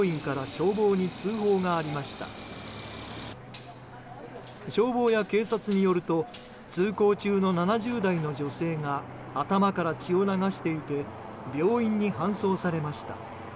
消防や警察によると通行中の７０代の女性が頭から血を流していて病院に搬送されました。